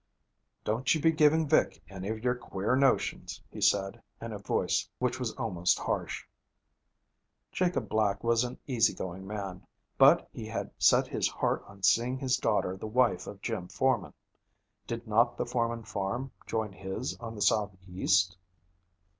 'Don't you be giving Vic any of your queer notions,' he said, in a voice which was almost harsh. Jacob Black was an easygoing man. But he had set his heart on seeing his daughter the wife of Jim Forman. Did not the Forman farm join his on the southeast?